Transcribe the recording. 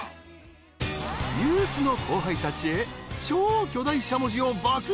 ［ユースの後輩たちへ超巨大しゃもじを爆買い］